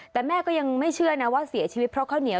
แต่แม่ก็ยังไม่เชื่อนะว่าเสียชีวิตเพราะข้าวเหนียว